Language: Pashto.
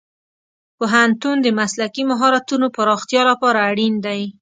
پوهنتون د مسلکي مهارتونو پراختیا لپاره اړین دی.